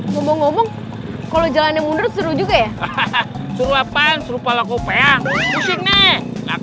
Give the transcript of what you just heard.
ngomong ngomong kalau jalannya mundur seru juga ya